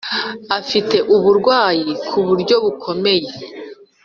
afite uburwayi ku buryo bukomeye.